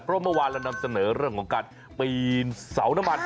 เพราะเมื่อวานเรานำเสนอเรื่องของการปีนเสาน้ำมัน